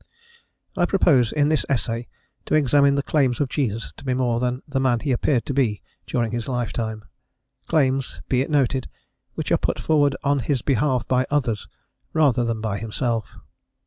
I propose, in this essay, to examine the claims of Jesus to be more than the man he appeared to be during his lifetime: claims be it noted which are put forward on his behalf by others rather than by himself.